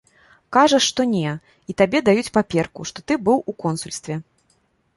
Кажаш, што не, і табе даюць паперку, што ты быў у консульстве.